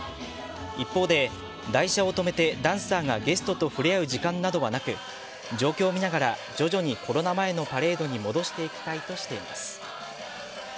一方で、台車を止めてダンサーがゲストと触れ合う時間などはなく状況を見ながら徐々にコロナ前のパレードに戻していきたいとしています。